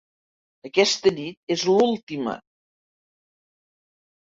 Aquesta nit és l'última.